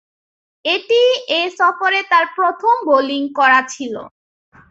এটিই এ সফরে তার প্রথম বোলিং করা ছিল।